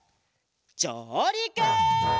じょうりく！